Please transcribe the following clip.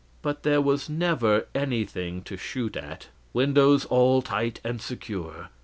But there was never anything to shoot at windows all tight and secure.